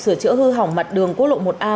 sửa chữa hư hỏng mặt đường quốc lộ một a